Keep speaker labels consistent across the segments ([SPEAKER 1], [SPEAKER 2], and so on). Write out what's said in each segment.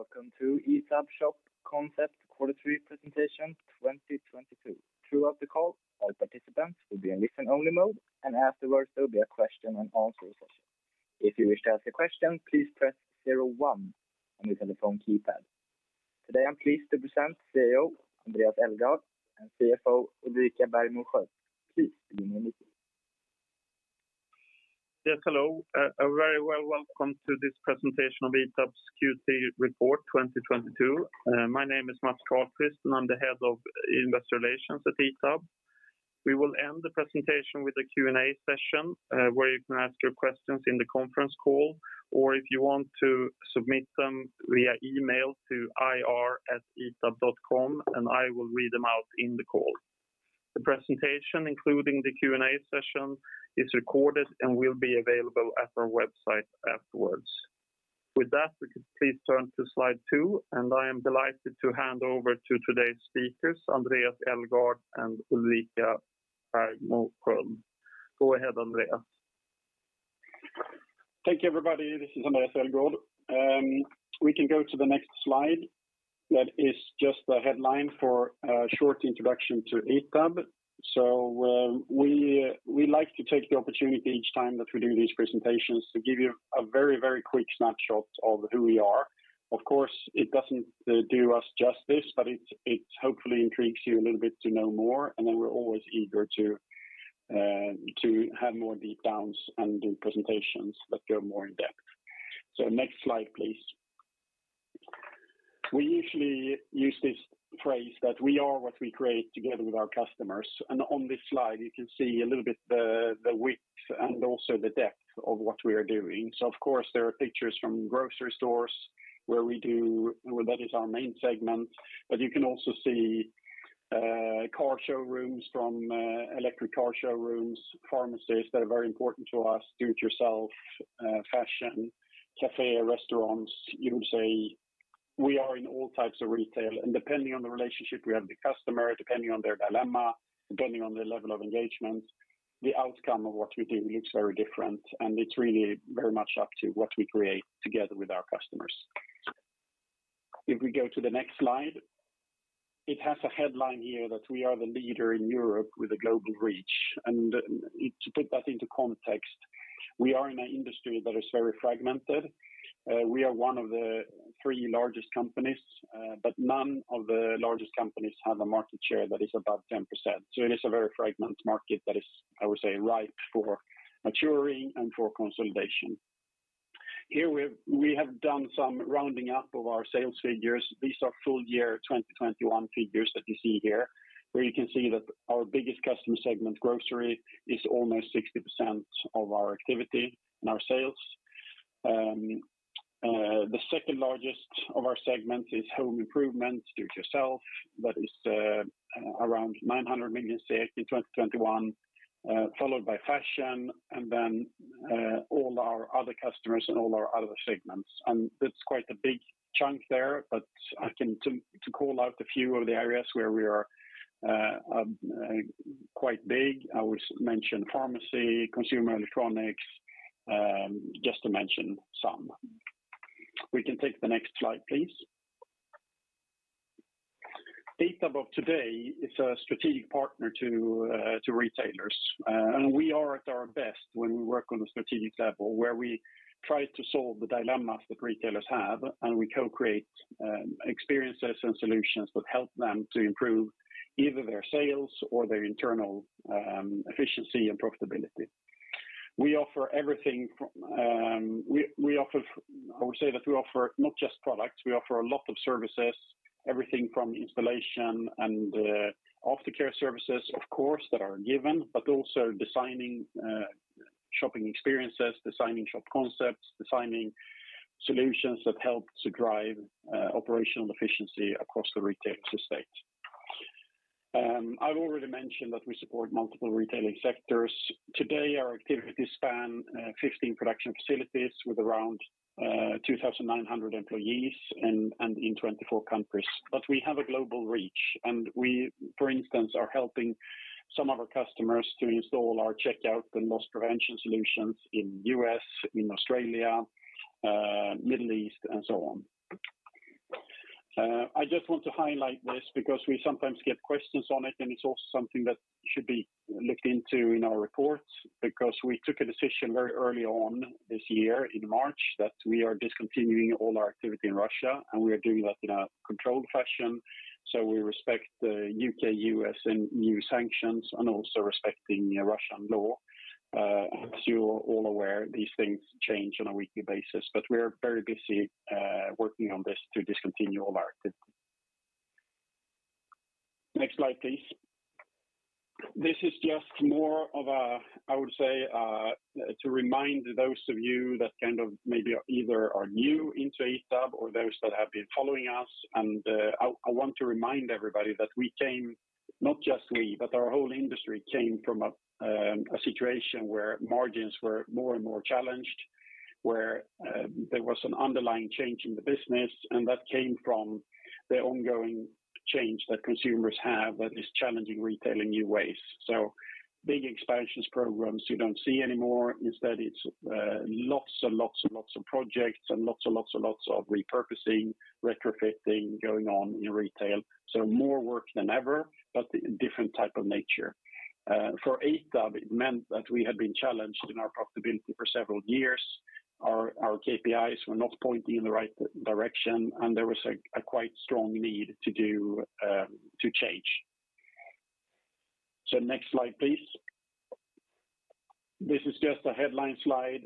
[SPEAKER 1] Welcome to ITAB Shop Concept quarter three presentation 2022. Throughout the call, all participants will be in listen-only mode, and afterwards, there will be a question and answer session. If you wish to ask a question, please press zero one on your telephone keypad. Today I'm pleased to present CEO Andréas Elgaard and CFO Ulrika Bergmo Sköld. Please begin when ready.
[SPEAKER 2] Yes, hello. A very warm welcome to this presentation of ITAB's Q3 report 2022. My name is Mats Karlqvist, and I'm the Head of Investor Relations at ITAB. We will end the presentation with a Q&A session, where you can ask your questions in the conference call, or if you want to submit them via email to ir@ITAB.com, and I will read them out in the call. The presentation, including the Q&A session, is recorded and will be available at our website afterwards. With that, we could please turn to Slide 2, and I am delighted to hand over to today's speakers, Andréas Elgaard and Ulrika Bergmo Sköld. Go ahead, Andréas.
[SPEAKER 3] Thank you, everybody. This is Andréas Elgaard. We can go to the next slide. That is just a headline for a short introduction to ITAB. We like to take the opportunity each time that we do these presentations to give you a very, very quick snapshot of who we are. Of course, it doesn't do us justice, but it hopefully intrigues you a little bit to know more, and then we're always eager to have more deep downs and do presentations that go more in-depth. Next slide, please. We usually use this phrase that we are what we create together with our customers. On this slide, you can see a little bit the width and also the depth of what we are doing. Of course, there are pictures from grocery stores where that is our main segment. You can also see car showrooms from electric car showrooms, pharmacies that are very important to us, do-it-yourself, fashion, cafe, restaurants. You would say we are in all types of retail. Depending on the relationship we have with the customer, depending on their dilemma, depending on their level of engagement, the outcome of what we do looks very different, and it's really very much up to what we create together with our customers. If we go to the next slide. It has a headline here that we are the leader in Europe with a global reach. To put that into context, we are in an industry that is very fragmented. We are one of the three largest companies, but none of the largest companies have a market share that is above 10%. It is a very fragmented market that is, I would say, ripe for maturing and for consolidation. Here we have done some rounding up of our sales figures. These are full year 2021 figures that you see here, where you can see that our biggest customer segment, grocery, is almost 60% of our activity and our sales. The second largest of our segments is home improvement, do it yourself, that is, around 900 million in 2021, followed by fashion and then, all our other customers and all our other segments. It's quite a big chunk there, but to call out a few of the areas where we are quite big, I would mention pharmacy, consumer electronics, just to mention some. We can take the next slide, please. ITAB of today is a strategic partner to retailers. We are at our best when we work on a strategic level where we try to solve the dilemmas that retailers have, and we co-create experiences and solutions that help them to improve either their sales or their internal efficiency and profitability. We offer everything from. We offer. I would say that we offer not just products, we offer a lot of services, everything from installation and aftercare services, of course, that are given, but also designing shopping experiences, designing shop concepts, designing solutions that help to drive operational efficiency across the retail estate. I've already mentioned that we support multiple retailing sectors. Today, our activities span 15 production facilities with around 2,900 employees and in 24 countries. We have a global reach, and we, for instance, are helping some of our customers to install our checkout and loss prevention solutions in U.S., in Australia, Middle East, and so on. I just want to highlight this because we sometimes get questions on it, and it's also something that should be looked into in our reports because we took a decision very early on this year in March that we are discontinuing all our activity in Russia, and we are doing that in a controlled fashion. We respect the U.K., U.S., and E.U. sanctions and also respecting Russian law. As you're all aware, these things change on a weekly basis, but we're very busy working on this to discontinue all our activity. Next slide, please. This is just more of a, I would say, to remind those of you that kind of maybe either are new into ITAB or those that have been following us. I want to remind everybody that we came, not just we, but our whole industry came from a situation where margins were more and more challenged, where there was an underlying change in the business, and that came from the ongoing change that consumers have that is challenging retail in new ways. Big expansion programs you don't see anymore. Instead, it's lots of projects and lots of repurposing, retrofitting going on in retail. More work than ever, but different in nature. For ITAB it meant that we had been challenged in our profitability for several years. Our KPIs were not pointing in the right direction, and there was a quite strong need to change. Next slide, please. This is just a headline slide.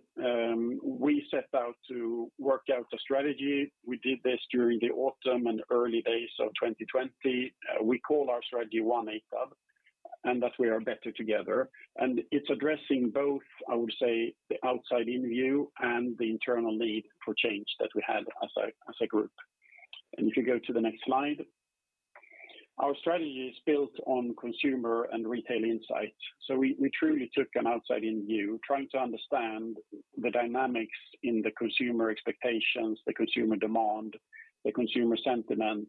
[SPEAKER 3] We set out to work out a strategy. We did this during the autumn and early days of 2020. We call our strategy One ITAB, and that we are better together. It's addressing both, I would say, the outside-in view and the internal need for change that we had as a group. If you go to the next slide. Our strategy is built on consumer and retail insights. We truly took an outside-in view trying to understand the dynamics in the consumer expectations, the consumer demand, the consumer sentiment,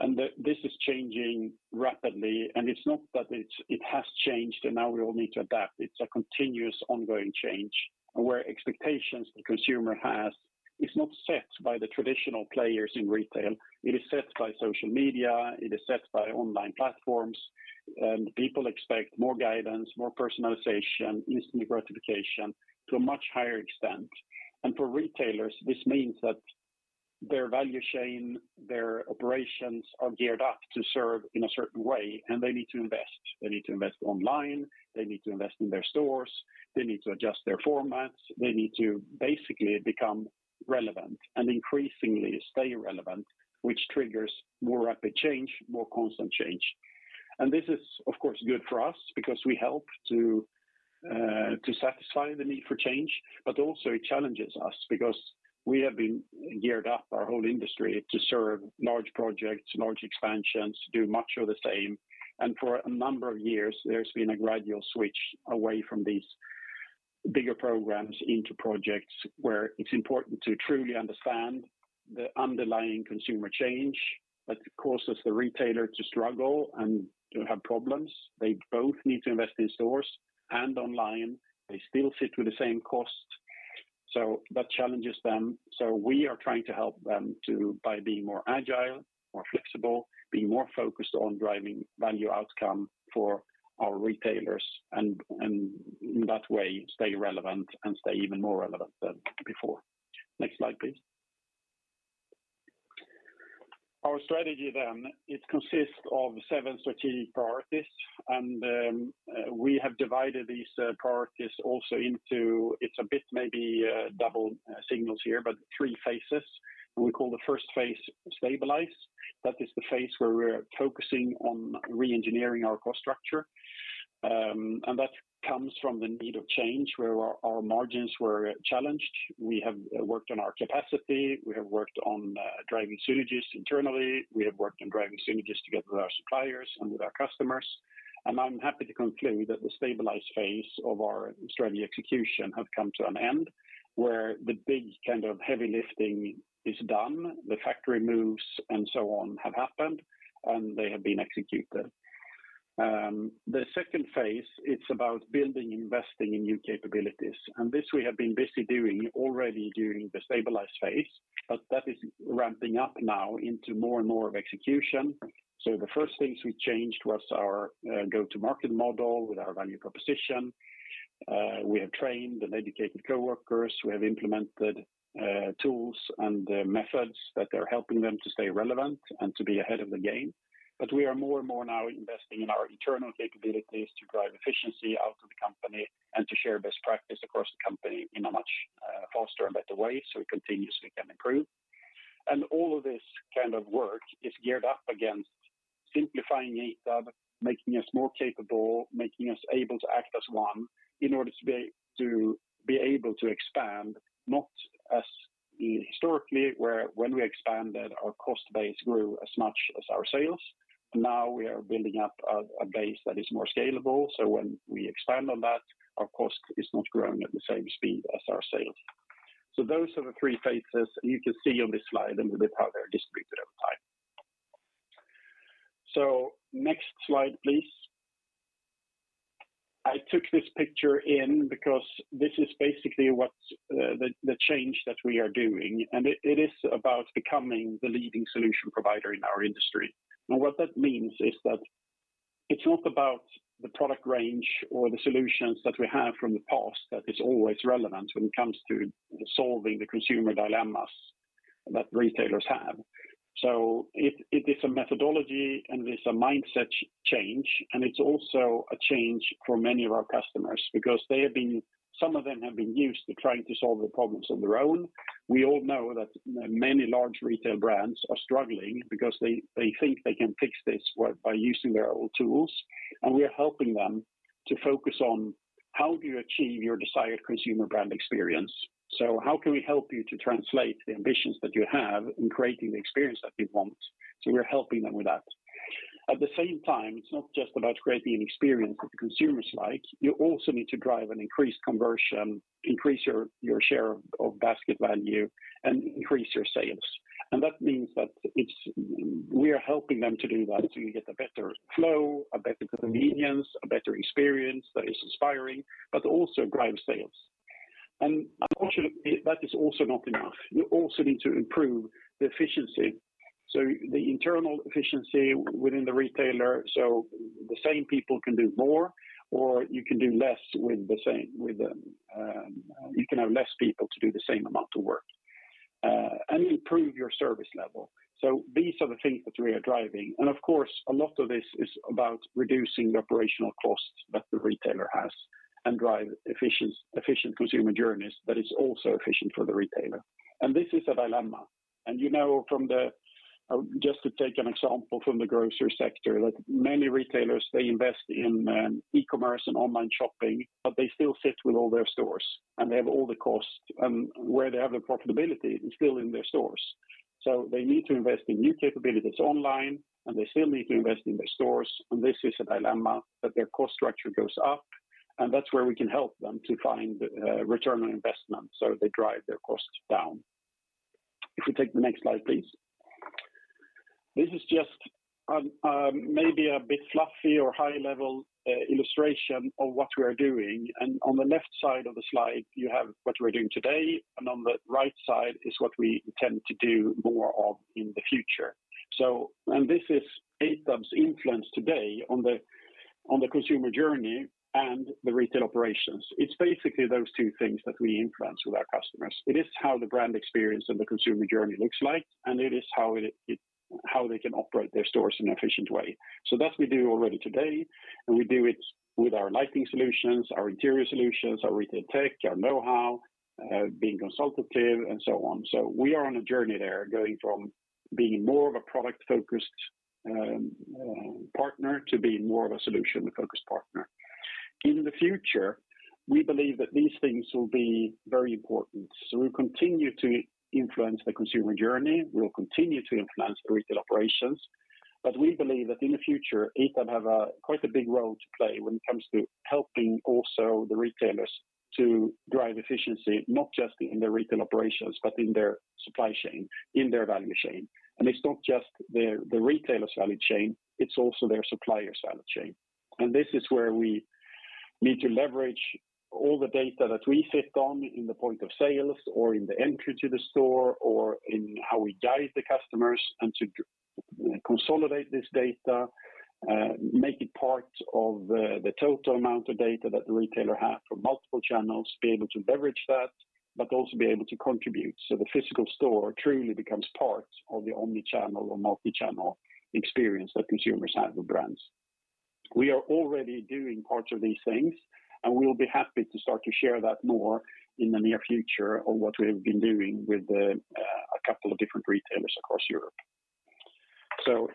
[SPEAKER 3] and this is changing rapidly. It's not that it has changed, and now we all need to adapt. It's a continuous ongoing change where expectations the consumer has is not set by the traditional players in retail. It is set by social media. It is set by online platforms. People expect more guidance, more personalization, instant gratification to a much higher extent. For retailers, this means that their value chain, their operations are geared up to serve in a certain way, and they need to invest. They need to invest online. They need to invest in their stores. They need to adjust their formats. They need to basically become relevant and increasingly stay relevant, which triggers more rapid change, more constant change. This is of course good for us because we help to satisfy the need for change. Also it challenges us because we have been geared up our whole industry to serve large projects, large expansions, to do much of the same. For a number of years, there's been a gradual switch away from these bigger programs into projects where it's important to truly understand the underlying consumer change that causes the retailer to struggle and to have problems. They both need to invest in stores and online. They still sit with the same cost, that challenges them. We are trying to help them to by being more agile, more flexible, being more focused on driving value outcome for our retailers and in that way stay relevant and stay even more relevant than before. Next slide, please. Our strategy, it consists of seven strategic priorities. We have divided these priorities also into, it's a bit maybe, double signals here, but three phases. We call the first phase stabilize. That is the phase where we're focusing on re-engineering our cost structure. That comes from the need of change where our margins were challenged. We have worked on our capacity. We have worked on driving synergies internally. We have worked on driving synergies together with our suppliers and with our customers. I'm happy to conclude that the stabilize phase of our strategy execution have come to an end where the big kind of heavy lifting is done, the factory moves and so on have happened, and they have been executed. The second phase, it's about building, investing in new capabilities. This we have been busy doing already during the stabilize phase, but that is ramping up now into more and more of execution. The first things we changed was our go-to-market model with our value proposition. We have trained and educated coworkers. We have implemented tools and methods that are helping them to stay relevant and to be ahead of the game. We are more and more now investing in our internal capabilities to drive efficiency out of the company and to share best practice across the company in a much faster and better way so we continuously can improve. All of this kind of work is geared up against simplifying One ITAB, making us more capable, making us able to act as one in order to be able to expand, not as historically, where when we expanded our cost base grew as much as our sales. Now we are building up a base that is more scalable, so when we expand on that, our cost is not growing at the same speed as our sales. Those are the three phases you can see on this slide and a bit how they're distributed over time. Next slide, please. I took this picture in because this is basically what's the change that we are doing, and it is about becoming the leading solution provider in our industry. What that means is that it's not about the product range or the solutions that we have from the past that is always relevant when it comes to solving the consumer dilemmas that retailers have. It is a methodology, and it's a mindset change, and it's also a change for many of our customers because some of them have been used to trying to solve the problems on their own. We all know that many large retail brands are struggling because they think they can fix this by using their old tools, and we are helping them to focus on how do you achieve your desired consumer brand experience. How can we help you to translate the ambitions that you have in creating the experience that you want? We're helping them with that. At the same time, it's not just about creating an experience that the consumers like. You also need to drive an increased conversion, increase your share of basket value, and increase your sales. That means we are helping them to do that so you get a better flow, a better convenience, a better experience that is inspiring, but also drive sales. Unfortunately, that is also not enough. You also need to improve the efficiency. The internal efficiency within the retailer, so the same people can do more or you can do less with the same, with them. You can have less people to do the same amount of work, and improve your service level. These are the things that we are driving. Of course, a lot of this is about reducing the operational costs that the retailer has and drive efficient consumer journeys that is also efficient for the retailer. This is a dilemma. You know from the grocery sector, just to take an example, like many retailers, they invest in e-commerce and online shopping, but they still sit with all their stores and they have all the cost and where they have the profitability is still in their stores. They need to invest in new capabilities online, and they still need to invest in their stores. This is a dilemma that their cost structure goes up, and that's where we can help them to find return on investment so they drive their costs down. If we take the next slide, please. This is just maybe a bit fluffy or high level illustration of what we are doing. On the left side of the slide you have what we're doing today, and on the right side is what we intend to do more of in the future. This is ITAB's influence today on the consumer journey and the retail operations. It's basically those two things that we influence with our customers. It is how the brand experience and the consumer journey looks like, and it is how they can operate their stores in an efficient way. That we do already today, and we do it with our lighting solutions, our interior solutions, our retail tech, our know-how, being consultative and so on. We are on a journey there, going from being more of a product-focused partner to being more of a solution-focused partner. In the future, we believe that these things will be very important. We'll continue to influence the consumer journey. We'll continue to influence the retail operations. We believe that in the future, ITAB has quite a big role to play when it comes to helping also the retailers to drive efficiency, not just in their retail operations, but in their supply chain, in their value chain. It's not just the retailer's value chain, it's also their supplier's value chain. This is where we need to leverage all the data that we sit on in the point of sales or in the entry to the store or in how we guide the customers and to consolidate this data, make it part of the total amount of data that the retailer have from multiple channels, be able to leverage that, but also be able to contribute so the physical store truly becomes part of the omni-channel or multi-channel experience that consumers have with brands. We are already doing parts of these things, and we'll be happy to start to share that more in the near future on what we have been doing with a couple of different retailers across Europe.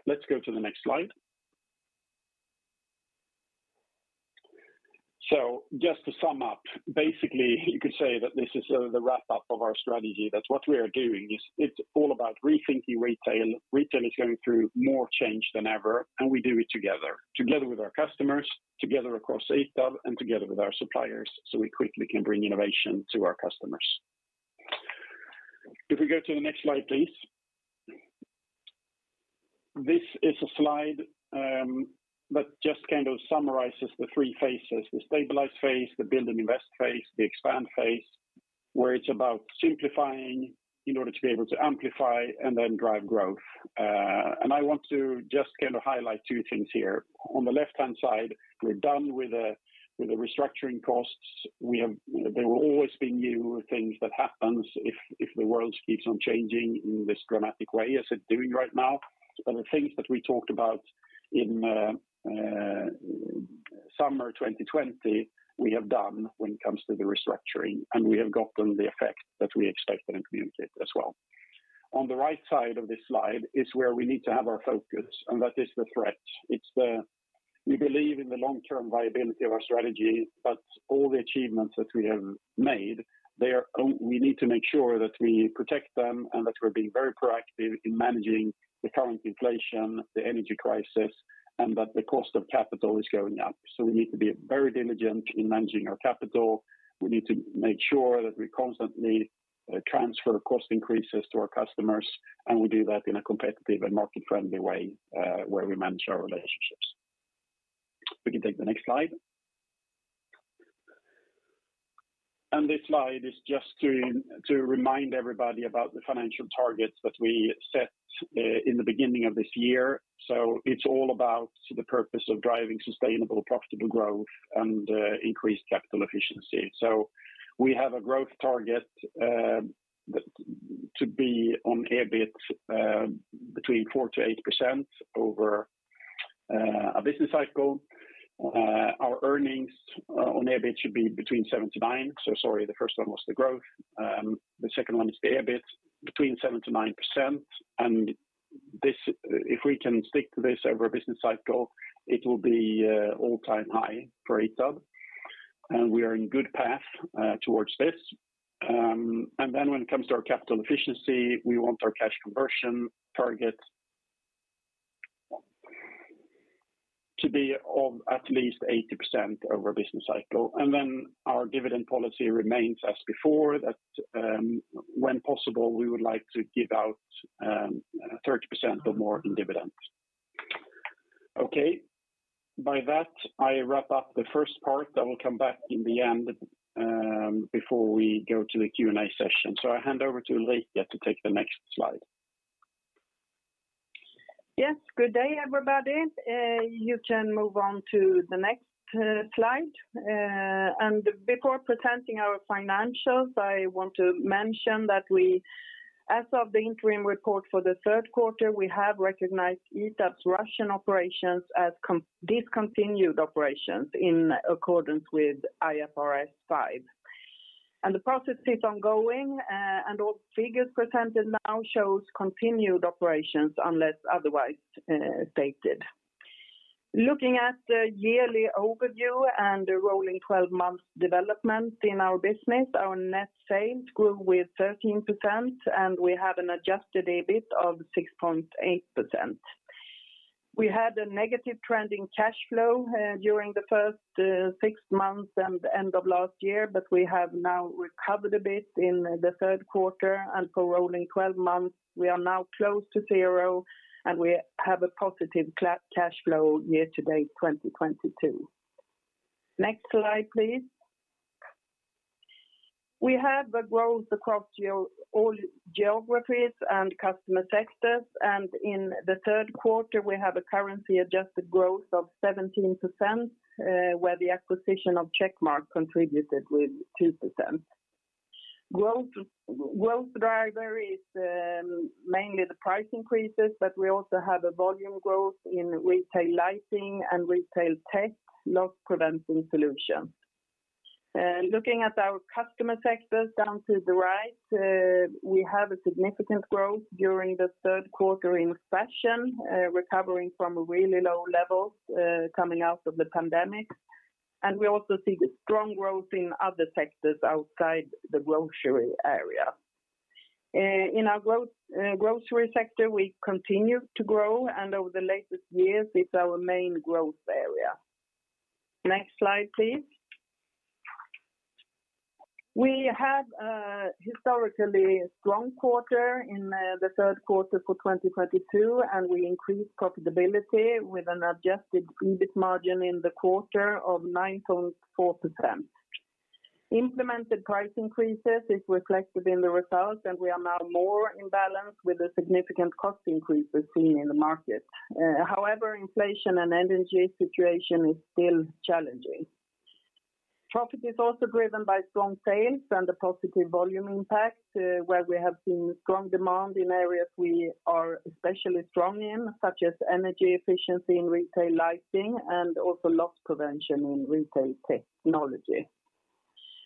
[SPEAKER 3] Let's go to the next slide. Just to sum up, basically you could say that this is the wrap up of our strategy. That what we are doing is it's all about rethinking retail. Retail is going through more change than ever, and we do it together with our customers, together across ITAB and together with our suppliers, so we quickly can bring innovation to our customers. If we go to the next slide, please. This is a slide that just kind of summarizes the three phases, the stabilize phase, the build and invest phase, the expand phase, where it's about simplifying in order to be able to amplify and then drive growth. I want to just kind of highlight two things here. On the left-hand side, we're done with the restructuring costs. There will always be new things that happen if the world keeps on changing in this dramatic way as it's doing right now. The things that we talked about in summer 2020 we have done when it comes to the restructuring, and we have gotten the effect that we expected and communicated as well. On the right side of this slide is where we need to have our focus, and that is the threat. It's the. We believe in the long-term viability of our strategy, but all the achievements that we have made, they are we need to make sure that we protect them and that we're being very proactive in managing the current inflation, the energy crisis, and that the cost of capital is going up. We need to be very diligent in managing our capital. We need to make sure that we constantly transfer cost increases to our customers, and we do that in a competitive and market friendly way, where we manage our relationships. We can take the next slide. This slide is just to remind everybody about the financial targets that we set in the beginning of this year. It's all about the purpose of driving sustainable, profitable growth and increased capital efficiency. We have a growth target to be on EBIT between 4%-8% over a business cycle. Our earnings on EBIT should be between 7%-9% Sorry, the first one was the growth. The second one is the EBIT between 7%-9%. This, if we can stick to this over a business cycle, it will be all-time high for EBIT, and we are on good path towards this. When it comes to our capital efficiency, we want our cash conversion target to be of at least 80% over a business cycle. Our dividend policy remains as before that, when possible, we would like to give out 30% or more in dividends. Okay. By that, I wrap up the first part. I will come back in the end before we go to the Q&A session. I hand over to Ulrika to take the next slide.
[SPEAKER 4] Yes. Good day, everybody. You can move on to the next slide. Before presenting our financials, I want to mention that we as of the interim report for the third quarter, we have recognized ITAB's Russian operations as discontinued operations in accordance with IFRS 5. The process is ongoing, and all figures presented now shows continued operations unless otherwise stated. Looking at the yearly overview and the rolling twelve months development in our business, our net sales grew with 13%, and we have an adjusted EBIT of 6.8%. We had a negative trending cash flow during the first six months and the end of last year, but we have now recovered a bit in the third quarter. For rolling twelve months, we are now close to zero, and we have a positive cash flow year-to-date 2022. Next slide, please. We have a growth across all geographies and customer sectors, and in the third quarter, we have a currency adjusted growth of 17%, where the acquisition of Checkmark contributed with 2%. Growth driver is mainly the price increases, but we also have a volume growth in retail lighting and retail tech loss prevention solutions. Looking at our customer sectors down to the right, we have a significant growth during the third quarter in fashion, recovering from really low levels, coming out of the pandemic. We also see strong growth in other sectors outside the grocery area. In our growth, grocery sector, we continue to grow, and over the latest years, it's our main growth area. Next slide, please. We have a historically strong quarter in the third quarter for 2022, and we increased profitability with an adjusted EBIT margin in the quarter of 9.4%. Implemented price increases is reflected in the results, and we are now more in balance with the significant cost increase we're seeing in the market. However, inflation and energy situation is still challenging. Profit is also driven by strong sales and a positive volume impact, where we have seen strong demand in areas we are especially strong in, such as energy efficiency in retail lighting and also loss prevention in retail technology.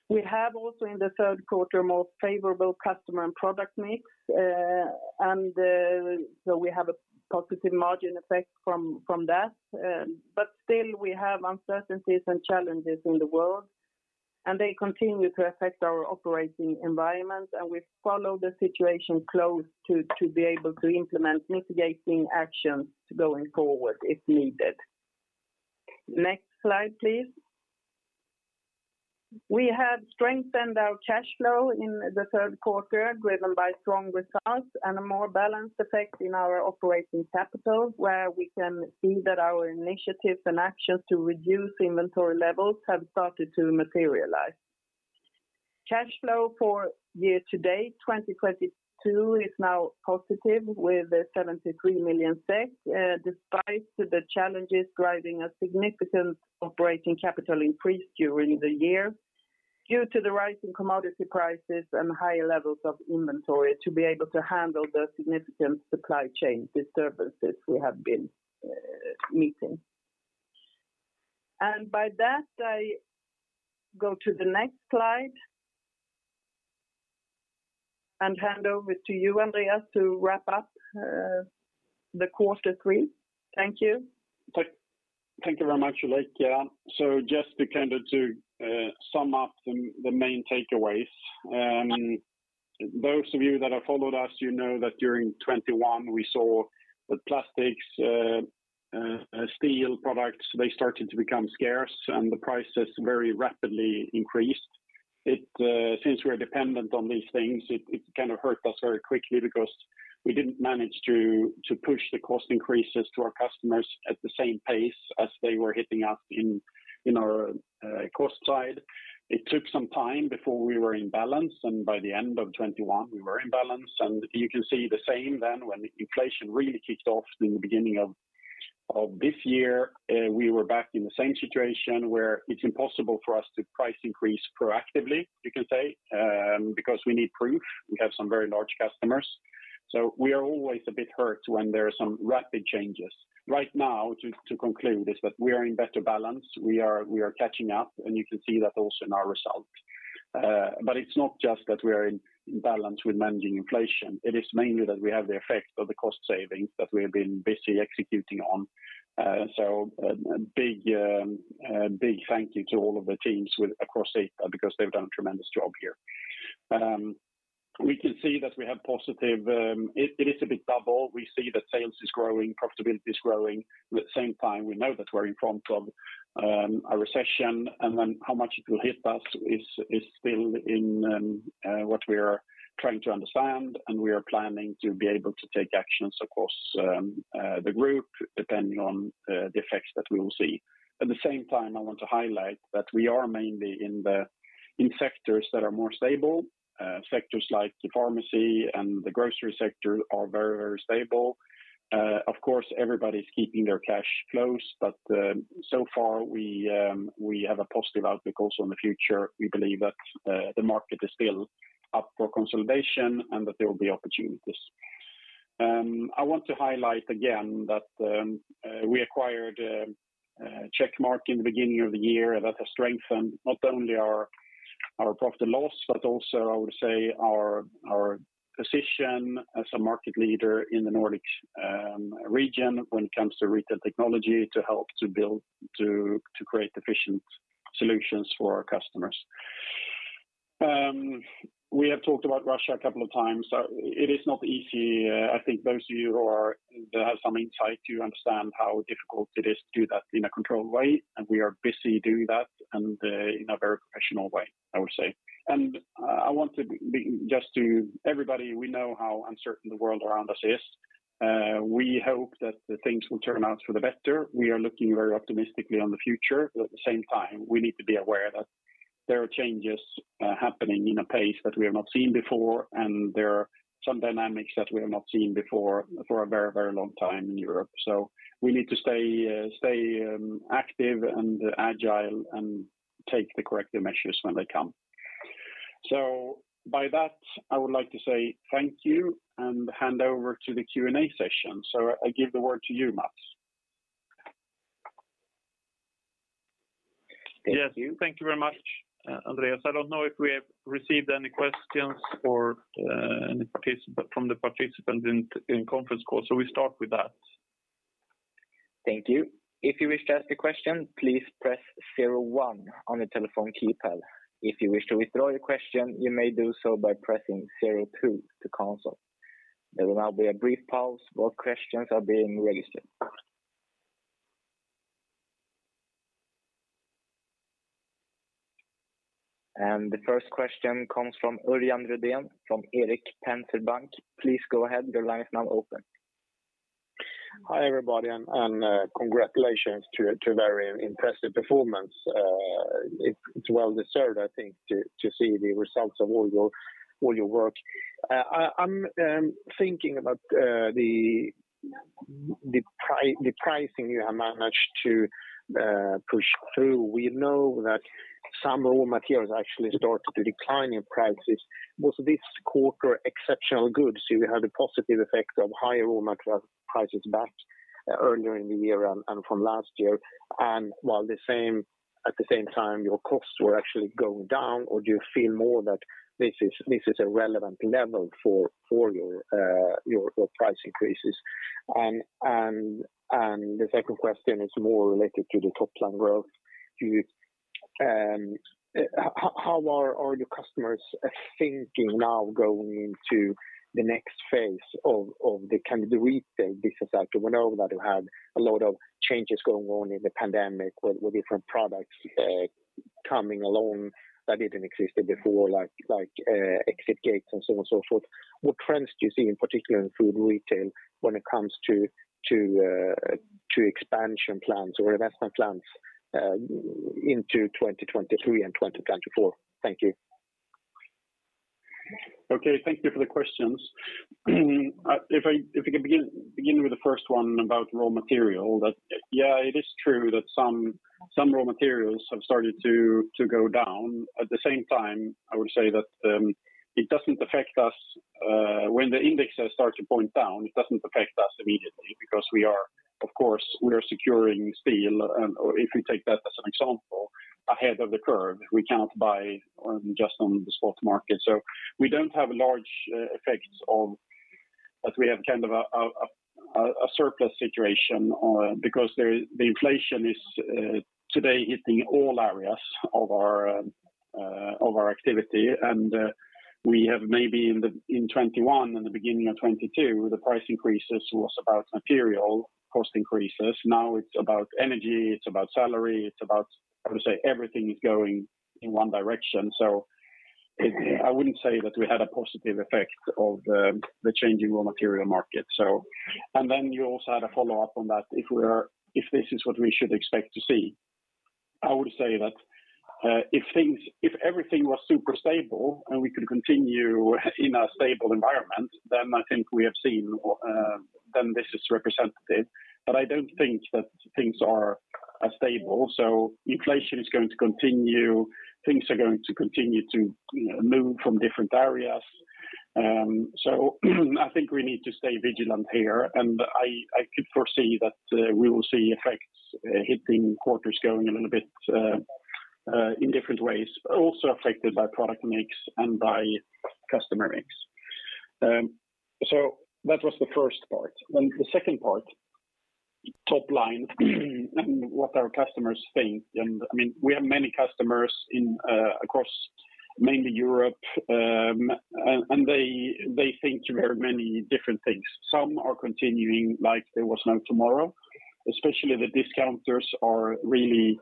[SPEAKER 4] We have also in the third quarter more favorable customer and product mix. We have a positive margin effect from that. Still we have uncertainties and challenges in the world, and they continue to affect our operating environment, and we follow the situation closely to be able to implement mitigating actions going forward if needed. Next slide, please. We have strengthened our cash flow in the third quarter, driven by strong results and a more balanced effect in our operating capital, where we can see that our initiatives and actions to reduce inventory levels have started to materialize. Cash flow for year-to-date 2022 is now positive with 73 million, despite the challenges driving a significant operating capital increase during the year due to the rise in commodity prices and higher levels of inventory to be able to handle the significant supply chain disturbances we have been meeting. By that, I go to the next slide and hand over to you, Andréas, to wrap up the quarter three. Thank you.
[SPEAKER 3] Thank you very much, Ulrika. Just to kind of sum up the main takeaways. Those of you that have followed us, you know that during 2021 we saw that plastics, steel products, they started to become scarce and the prices very rapidly increased. Since we're dependent on these things, it kind of hurt us very quickly because we didn't manage to push the cost increases to our customers at the same pace as they were hitting us in our cost side. It took some time before we were in balance, and by the end of 2021 we were in balance. You can see the same then when inflation really kicked off in the beginning of this year, we were back in the same situation where it's impossible for us to price increase proactively, you can say, because we need proof. We have some very large customers. We are always a bit hurt when there are some rapid changes. Right now, to conclude this, that we are in better balance. We are catching up, and you can see that also in our results. It's not just that we are in balance with managing inflation, it is mainly that we have the effect of the cost savings that we have been busy executing on. A big thank you to all of the teams across ITAB because they've done a tremendous job here. We can see that we have positive. It is a bit double. We see that sales is growing, profitability is growing, but at the same time we know that we're in front of a recession and then how much it will hit us is still in what we are trying to understand, and we are planning to be able to take actions across the group depending on the effects that we will see. At the same time, I want to highlight that we are mainly in sectors that are more stable. Sectors like pharmacy and the grocery sector are very, very stable. Of course, everybody's keeping their cash close but so far we have a positive outlook also in the future. We believe that the market is still up for consolidation and that there will be opportunities. I want to highlight again that we acquired Checkmark in the beginning of the year. That has strengthened not only our profit and loss but also I would say our position as a market leader in the Nordic region when it comes to retail technology to create efficient solutions for our customers. We have talked about Russia a couple of times. It is not easy. I think those of you that have some insight, you understand how difficult it is to do that in a controlled way, and we are busy doing that and in a very professional way, I would say. I want to be just to everybody, we know how uncertain the world around us is. We hope that the things will turn out for the better. We are looking very optimistically on the future, but at the same time we need to be aware that there are changes happening in a pace that we have not seen before, and there are some dynamics that we have not seen before for a very, very long time in Europe. We need to stay active and agile and take the corrective measures when they come. By that, I would like to say thank you and hand over to the Q&A session. I give the word to you, Mats.
[SPEAKER 2] Yes. Thank you very much, Andréas. I don't know if we have received any questions or from the participant in conference call. We start with that.
[SPEAKER 1] Thank you. If you wish to ask a question, please press zero-one on your telephone keypad. If you wish to withdraw your question, you may do so by pressing zero-two to cancel. There will now be a brief pause while questions are being registered. The first question comes from Örjan Rödén from Erik Penser Bank. Please go ahead, your line is now open.
[SPEAKER 5] Hi, everybody, congratulations to a very impressive performance. It's well deserved, I think, to see the results of all your work. I'm thinking about the pricing you have managed to push through. We know that some raw materials actually started to decline in prices. Was this quarter exceptional good? So you had a positive effect of higher raw material prices back earlier in the year and from last year and at the same time your costs were actually going down? Or do you feel more that this is a relevant level for your price increases? The second question is more related to the top-line growth. Do you... How are your customers thinking now going into the next phase of the kind of the retail business after we know that you had a lot of changes going on in the pandemic with different products coming along that didn't existed before, like exit gates and so on and so forth. What trends do you see in particular in food retail when it comes to expansion plans or investment plans into 2023 and 2024? Thank you.
[SPEAKER 3] Thank you for the questions. If we can begin with the first one about raw material, it is true that some raw materials have started to go down. At the same time, I would say that it doesn't affect us when the indexes start to point down. It doesn't affect us immediately because we are, of course, securing steel and, if we take that as an example, ahead of the curve. We cannot buy just on the spot market. We don't have large effects. We have kind of a surplus situation because the inflation is today hitting all areas of our activity. We have maybe in the, in 2021 and the beginning of 2022, the price increases was about material cost increases. Now it's about energy, it's about salary, it's about. I would say everything is going in one direction. It I wouldn't say that we had a positive effect of the changing raw material market, so. Then you also had a follow-up on that, if we're, if this is what we should expect to see. I would say that, if things, if everything was super stable and we could continue in a stable environment, then I think we have seen, then this is representative. But I don't think that things are as stable. Inflation is going to continue. Things are going to continue to, you know, move from different areas. I think we need to stay vigilant here, and I could foresee that we will see effects hitting quarters going a little bit in different ways, also affected by product mix and by customer mix. That was the first part. The second part top line and what our customers think. I mean, we have many customers in across mainly Europe. And they think very many different things. Some are continuing like there was no tomorrow, especially the discounters are really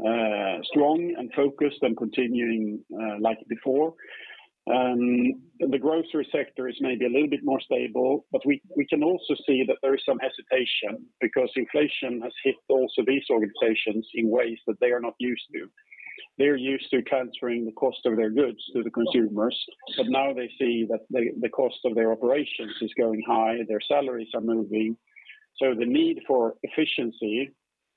[SPEAKER 3] strong and focused and continuing like before. The grocery sector is maybe a little bit more stable, but we can also see that there is some hesitation because inflation has hit also these organizations in ways that they are not used to. They're used to countering the cost of their goods to the consumers, but now they see that the cost of their operations is going high, their salaries are moving. The need for efficiency,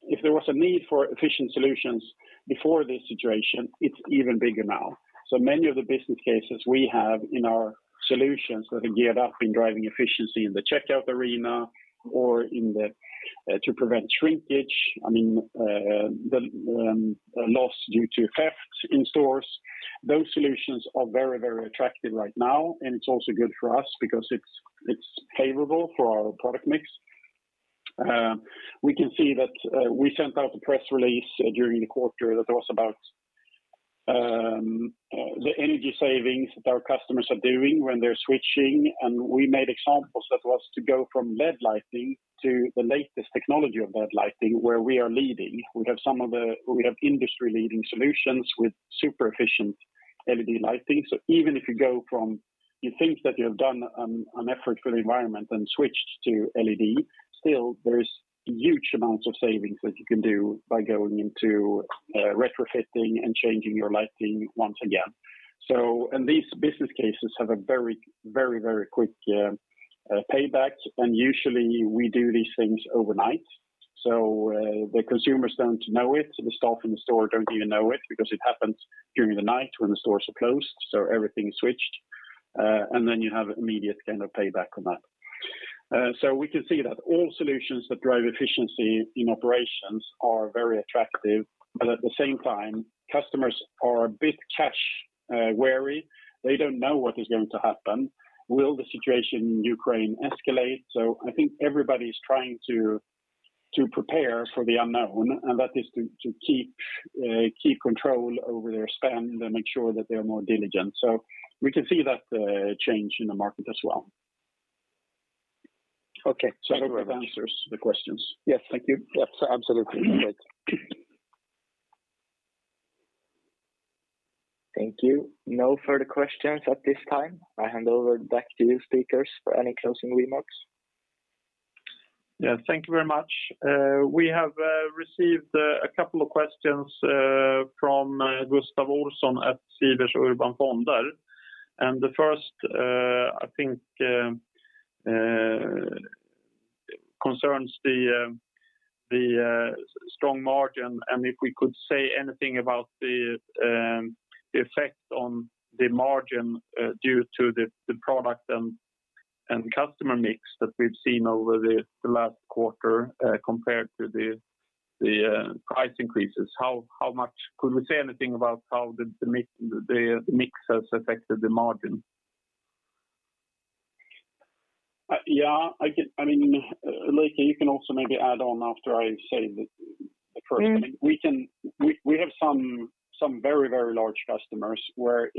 [SPEAKER 3] if there was a need for efficient solutions before this situation, it's even bigger now. Many of the business cases we have in our solutions that are geared up in driving efficiency in the checkout arena or in to prevent shrinkage, I mean, the loss due to theft in stores, those solutions are very, very attractive right now. It's also good for us because it's favorable for our product mix. We can see that we sent out a press release during the quarter that was about the energy savings that our customers are doing when they're switching. We made examples that was to go from LED lighting to the latest technology of LED lighting where we are leading. We have industry-leading solutions with super efficient LED lighting. Even if you go from, you think that you have done an effort for the environment and switched to LED, still, there is huge amounts of savings that you can do by going into retrofitting and changing your lighting once again. These business cases have a very quick payback. Usually, we do these things overnight. The consumers don't know it, the staff in the store don't even know it because it happens during the night when the stores are closed, so everything is switched. Then you have immediate kind of payback on that. We can see that all solutions that drive efficiency in operations are very attractive, but at the same time, customers are a bit cash wary. They don't know what is going to happen. Will the situation in Ukraine escalate? I think everybody is trying to prepare for the unknown, and that is to keep control over their spend and make sure that they're more diligent. We can see that change in the market as well.
[SPEAKER 5] Okay.
[SPEAKER 3] I hope that answers the questions.
[SPEAKER 5] Yes. Thank you. Yes, absolutely. Great.
[SPEAKER 1] Thank you. No further questions at this time. I hand over back to the speakers for any closing remarks.
[SPEAKER 2] Yeah. Thank you very much. We have received a couple of questions from Gustav Olsson at Swedbank Robur Fonder. The first, I think, concerns the strong margin, and if we could say anything about the effect on the margin due to the product and customer mix that we've seen over the last quarter compared to the price increases. How much? Could we say anything about how the mix has affected the margin?
[SPEAKER 3] Yeah. I mean, Ulrika, you can also maybe add on after I say the first thing.
[SPEAKER 4] Mm-hmm.
[SPEAKER 3] We have some very large customers where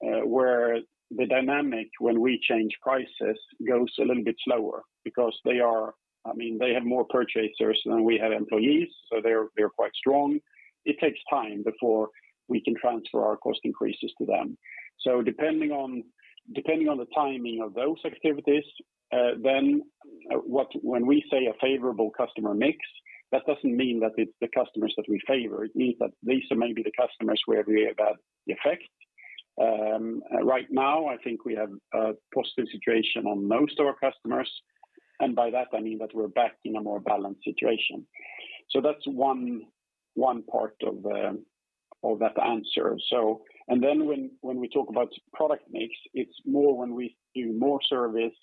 [SPEAKER 3] the dynamic when we change prices goes a little bit slower because I mean, they have more purchasers than we have employees, so they're quite strong. It takes time before we can transfer our cost increases to them. Depending on the timing of those activities, when we say a favorable customer mix, that doesn't mean that it's the customers that we favor. It means that these are maybe the customers where we have had the effect. Right now, I think we have a positive situation on most of our customers. By that, I mean that we're back in a more balanced situation. That's one part of that answer. When we talk about product mix, it's more when we do more service,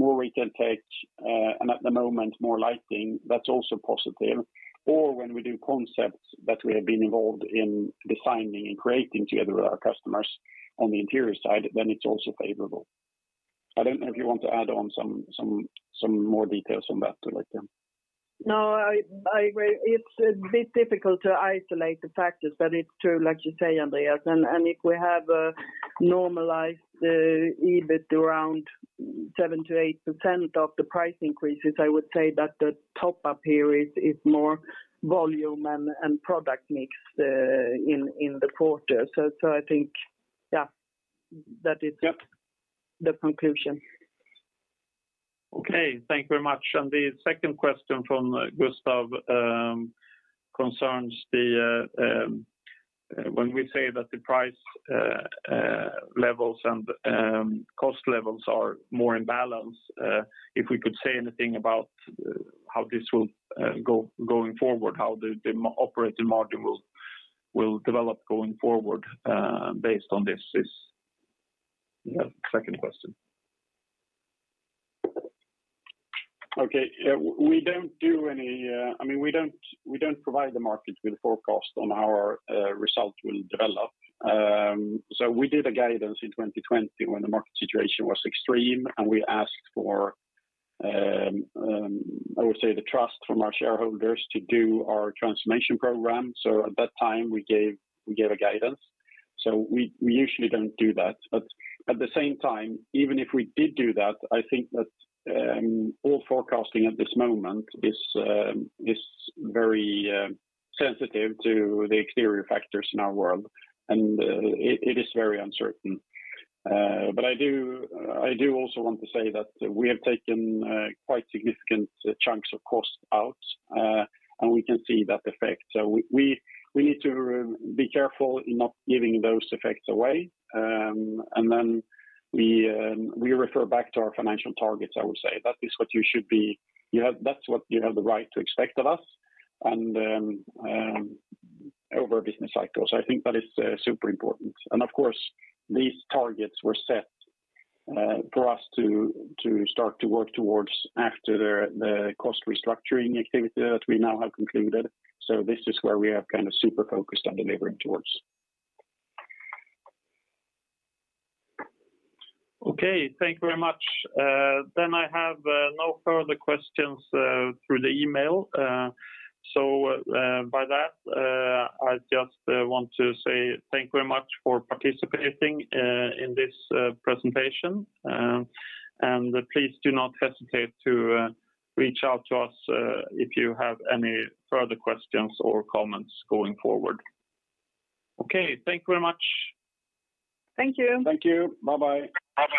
[SPEAKER 3] more retail tech, and at the moment, more lighting, that's also positive. When we do concepts that we have been involved in designing and creating together with our customers on the interior side, then it's also favorable. I don't know if you want to add on some more details on that, Ulrika.
[SPEAKER 4] No, I agree. It's a bit difficult to isolate the factors, but it's true, like you say, Andréas. And if we have normalized EBIT around 7%-8% of the price increases, I would say that the top up here is more volume and product mix in the quarter. I think, yeah, that is.
[SPEAKER 3] Yeah.
[SPEAKER 4] the conclusion.
[SPEAKER 2] Okay. Thank you very much. The second question from Gustav concerns when we say that the price levels and cost levels are more in balance, if we could say anything about how this will go going forward, how the operating margin will develop going forward, based on this is, yeah, second question.
[SPEAKER 3] I mean, we don't provide the market with a forecast on how our result will develop. We did a guidance in 2020 when the market situation was extreme, and we asked for, I would say, the trust from our shareholders to do our transformation program. At that time, we gave a guidance. We usually don't do that. At the same time, even if we did do that, I think that all forecasting at this moment is very sensitive to the external factors in our world, and it is very uncertain. I also want to say that we have taken quite significant chunks of cost out, and we can see that effect. We need to be careful in not giving those effects away. We refer back to our financial targets, I would say. That is what you should be. That's what you have the right to expect of us, and over a business cycle. I think that is super important. Of course, these targets were set for us to start to work towards after the cost restructuring activity that we now have concluded. This is where we are kind of super focused on delivering towards.
[SPEAKER 2] Okay. Thank you very much. I have no further questions through the email. By that, I just want to say thank you very much for participating in this presentation. Please do not hesitate to reach out to us if you have any further questions or comments going forward. Okay. Thank you very much.
[SPEAKER 4] Thank you.
[SPEAKER 3] Thank you. Bye-bye.
[SPEAKER 2] Bye-bye.